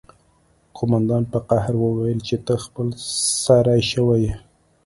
قومندان په قهر وویل چې ته خپل سری شوی یې